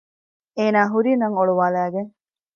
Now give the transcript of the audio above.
އޭނާ ހުރީ ނަން އޮޅުވާލައިގެން